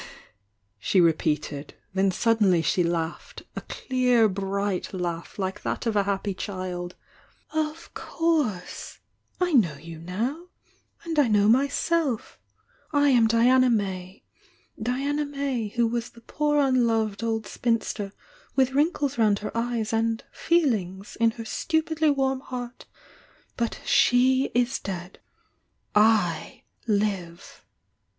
she repeated, — then suddenly she laughed, — a clear bri^t laugh like that of a happy diild — "Of course! I know you now — and I know my self. I am Diana May, —Diana May who waa the poor unloved old spinster with wrinkles round her eyes and 'feelings' in her stupidly warm heart! — but she is dead! / live!"